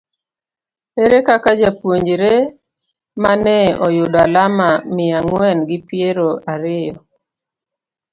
Ere kaka japuonjre ma ne oyudo alama miya ang'wen gi piero ariyo